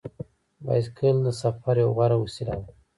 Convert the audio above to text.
بایسکل د سفر یوه غوره وسیله ده.